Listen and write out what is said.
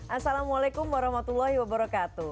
assalamualaikum warahmatullahi wabarakatuh